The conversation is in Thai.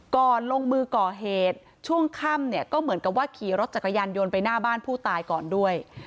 ลงมือก่อเหตุช่วงค่ำเนี่ยก็เหมือนกับว่าขี่รถจักรยานยนต์ไปหน้าบ้านผู้ตายก่อนด้วย